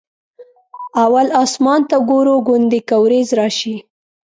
اول اسمان ته ګورو ګوندې که ورېځ راشي.